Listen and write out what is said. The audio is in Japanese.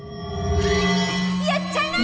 やっちゃいなよ！